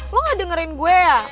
lo gak dengerin gue ya